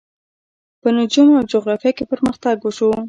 په نجوم او جغرافیه کې پرمختګ وشو.